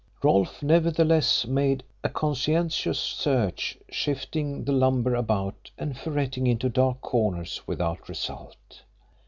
Rolfe nevertheless made a conscientious search, shifting the lumber about and ferreting into dark corners, without result.